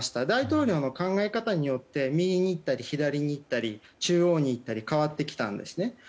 大統領の考え方によって右に行ったり左に行ったり中央に行ったり変わってきたんですね。